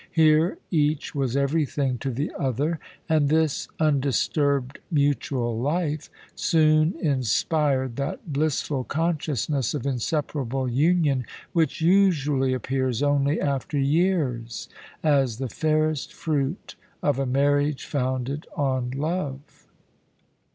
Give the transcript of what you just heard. Here each was everything to the other, and this undisturbed mutual life soon inspired that blissful consciousness of inseparable union which usually appears only after years, as the fairest fruit of a marriage founded on love.